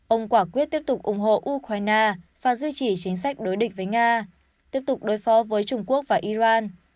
ông quả quyết tiếp tục ủng hộ ukraine và duy trì chính sách đối địch với nga tiếp tục đối phó với trung quốc và iran